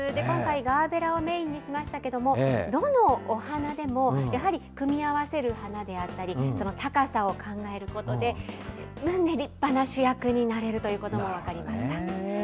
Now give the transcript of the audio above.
今回、ガーベラをメインにしましたけども、どのお花でも、やはり組み合わせる花であったり、高さを考えることで、十分ね、立派な主役になれるということが分かりました。